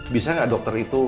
bisa gak dokter itu